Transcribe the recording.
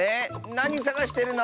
なにさがしてるの？